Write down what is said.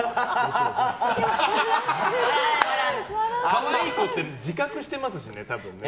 可愛い子って自覚してますしね多分ね。